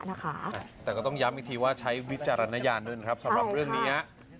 แต่ก็ต้องย้ำอีกทีว่าใช้วิจารณญาณด้วยครับสำหรับเรื่องนี้